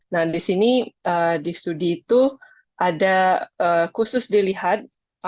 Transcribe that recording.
nah di sini di studi itu ada khusus dilihat